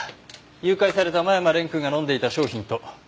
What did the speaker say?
誘拐された間山蓮くんが飲んでいた商品と合致しました。